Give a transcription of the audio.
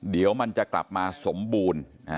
เดี๋ยวมันจะกลับมาสมบูรณ์